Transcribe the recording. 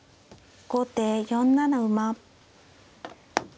後手４七馬。